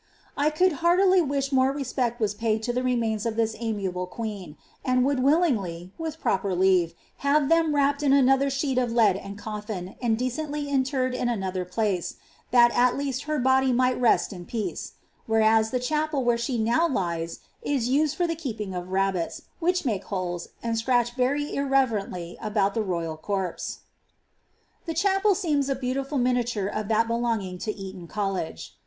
'■ I could heartily wish more reHpect were paid to the reraaina of this amiable queen, and would willingly, with proper leave, have ih«n wr»i> ped in anotlier sheet of lead and codin, and decently interred in anotlier |ilace, Ihat at leaai her botly mi^lil rest in peace; whereas, llie chapel where she how lies is used for the keeping of rabbits, wtiich make hofest and scmirh very irreverently about ilie royal corpse," The chapel seems a benuliful miniature of ihot belonging lo Eton College.